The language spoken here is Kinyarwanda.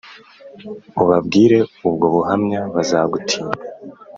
Ubabwire ubwo buhamya bazagutinya